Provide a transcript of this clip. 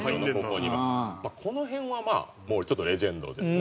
この辺はまあもうちょっとレジェンドですね。